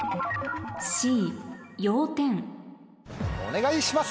お願いします。